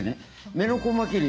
メノコマキリ？